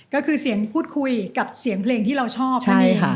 ก็คือเสียงพูดคุยกับเสียงเพลงที่เราชอบนั่นเอง